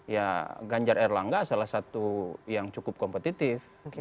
ya ganjar erlangga salah satu yang cukup kompetitif